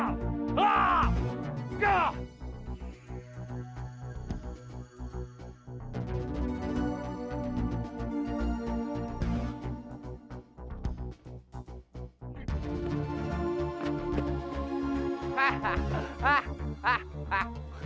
mampus lihat nomorannya hahahaha